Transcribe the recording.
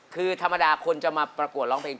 คือธรรมดาคนจะมาประกวดร้องเพลง